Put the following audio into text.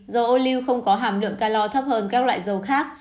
dầu ô lưu không có hàm lượng calor hơn các loại dầu khác